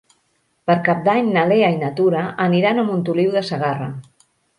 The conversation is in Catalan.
Per Cap d'Any na Lea i na Tura aniran a Montoliu de Segarra.